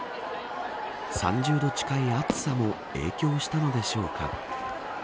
３０度近い暑さも影響したのでしょうか。